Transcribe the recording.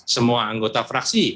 semua anggota fraksi